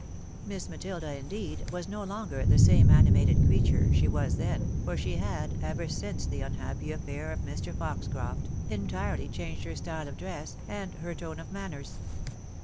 Miss Matilda, indeed, was no longer the same animated creature she was then, for she had, ever since the unhappy affair of Mr. Foxcroft, entirely changed her style of dress, and her tone of manners.